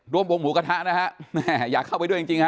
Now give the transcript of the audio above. วงหมูกระทะนะฮะแม่อยากเข้าไปด้วยจริงฮะ